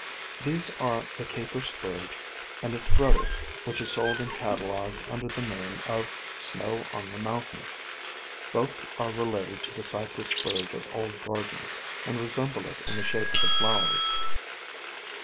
These are the Caper Spurge and its brother, which is sold in catalogues under the name of "Snow on the Mountain;" both are re lated to the Cypress Spurge of old gardens, and resemble it in the shape of the flowers.